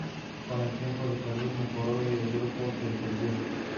Vivió gran parte de su vida en Melbourne, donde desarrolló su trabajo artístico.